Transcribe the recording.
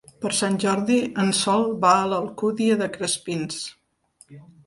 Per Sant Jordi en Sol va a l'Alcúdia de Crespins.